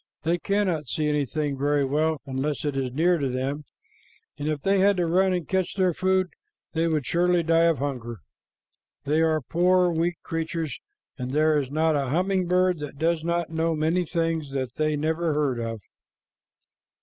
They cannot see anything very well unless it is near them, and if they had to run and catch their food, they would surely die of hunger. They are poor, weak creatures, and there is not a humming bird that does not know many things that they never heard of."